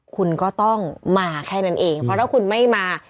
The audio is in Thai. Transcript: คุณก็ต้องมาแค่นั้นเองเพราะถ้าคุณไม่มา